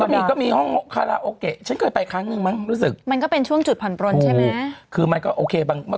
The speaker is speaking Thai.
มันมีคาซีโนข้างในอะ